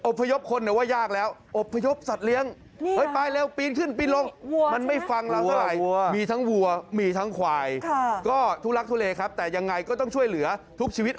อบพยบคนเดี๋ยวว่ายากแล้ว